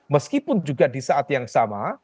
meskipun juga disaat yang sama